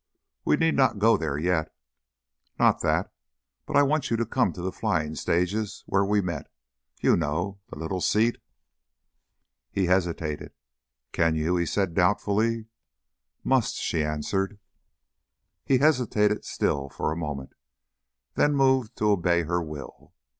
"We need not go there yet." "Not that. But I want you to come to the flying stages where we met. You know? The little seat." He hesitated. "Can you?" he said, doubtfully. "Must," she answered. He hesitated still for a moment, then moved to obey her will.